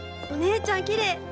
お姉ちゃんきれい！